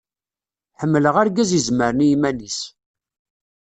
Ḥemmleɣ argaz izemren i yiman-is.